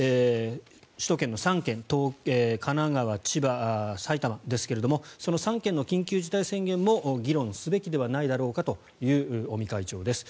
首都圏の３県神奈川、千葉、埼玉ですがその３県の緊急事態宣言も議論すべきでないだろうかという尾身会長です。